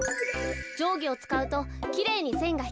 じょうぎをつかうときれいにせんがひけますからね。